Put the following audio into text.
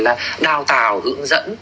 là đào tạo hướng dẫn